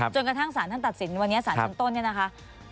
จนกระทั่งสารท่านตัดสินวันนี้สารชั้นต้นเนี่ยนะคะ